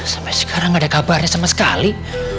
sampai sekarang gak ada kabarnya sama sekali